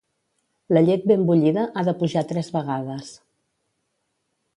La llet ben bullida ha de pujar tres vegades.